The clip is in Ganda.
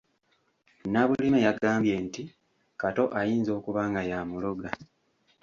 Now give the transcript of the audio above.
Nabulime yagambye nti Kato ayinza okuba nga y'amuloga.